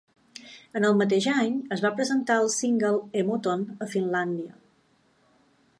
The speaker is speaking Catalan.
En el mateix any, es va presentar el single "Emoton" a Finlàndia.